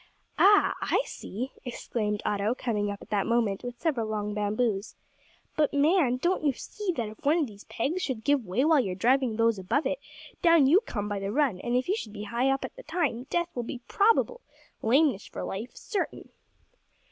"Ah! I see," exclaimed Otto, coming up at that moment with several long bamboos. "But, man, don't you see that if one of these pegs should give way while you're driving those above it, down you come by the run, and, if you should be high up at the time, death will be probable lameness for life, certain."